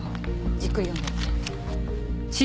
じっくり読んでおいて。